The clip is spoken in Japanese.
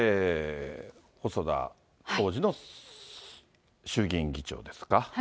細田、当時の衆議院議長ですか。